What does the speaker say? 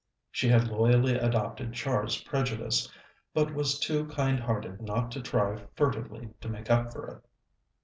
She had loyally adopted Char's prejudice, but was too kind hearted not to try furtively to make up for it.